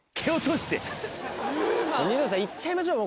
ニノさん行っちゃいましょう